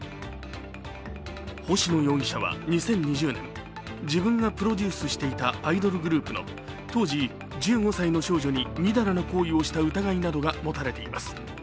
星野容疑者は２０２０年、自分がプロデュースしていたアイドルグループの当時１５歳の少女にみだらな行為をした疑いなどが持たれています。